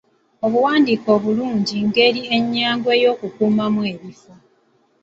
Obuwandiike obulungi ngeri ennyangu ey'okukuumamu ebifo.